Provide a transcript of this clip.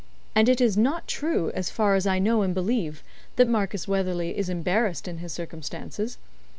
And it is not true, as far as I know and believe, that Marcus Weatherley is embarrassed in his circumstances.